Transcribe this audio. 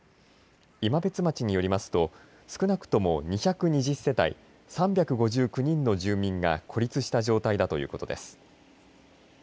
今別町によりますと少なくとも２２０世帯３５９人の住民が孤立した状態だということです。